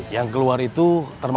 yang keluar itu terlalu banyak